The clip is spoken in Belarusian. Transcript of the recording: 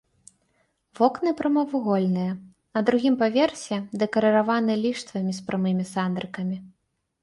Вокны прамавугольныя, на другім паверсе дэкарыраваны ліштвамі з прамымі сандрыкамі.